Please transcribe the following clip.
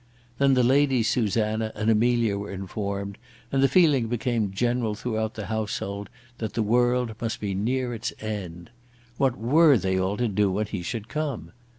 Then the Ladies Susanna and Amelia were informed, and the feeling became general throughout the household that the world must be near its end. What were they all to do when he should come?